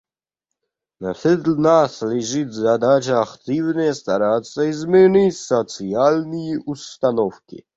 На всех нас лежит задача активнее стараться изменить социальные установки.